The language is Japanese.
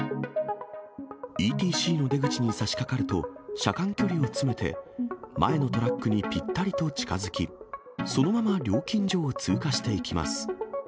ＥＴＣの出口にさしかかると、車間距離を詰めて前のトラックにぴったりと近づき、そのまま料金所を通過していきます。